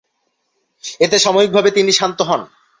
এতে সাময়িকভাবে তিনি শান্ত হন।